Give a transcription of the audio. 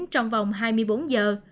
trong vòng hai mươi bốn giờ